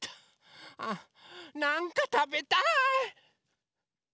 なんかたべたい！